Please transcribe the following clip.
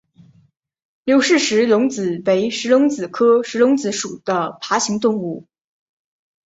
刘氏石龙子为石龙子科石龙子属的爬行动物。